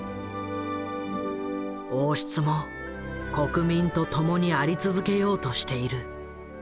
王室も国民と共にあり続けようとしている。